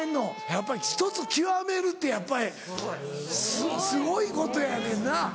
やっぱり１つ極めるってやっぱりすごいことやねんな！